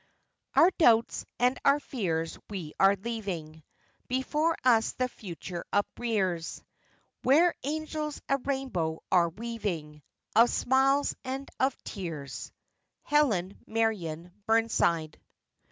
"Our doubts and our fears we are leaving; Before us the future uprears, Where angels a rainbow are weaving Of smiles and of tears." HELEN MARION BURNSIDE.